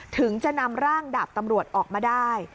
ถึงจะนำร่างดาบตำรวจออกมาได้